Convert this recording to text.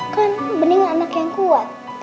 kan bening anak yang kuat